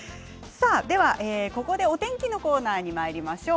ここでお天気のコーナーにまいりましょう。